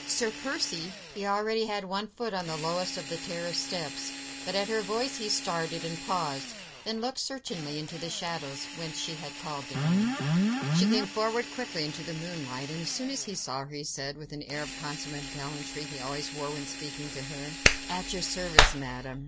"Sir Percy!" He already had one foot on the lowest of the terrace steps, but at her voice he started, and paused, then looked searchingly into the shadows whence she had called to him. She came forward quickly into the moonlight, and, as soon as he saw her, he said, with that air of consummate gallantry he always wore when speaking to her,— "At your service, Madame!"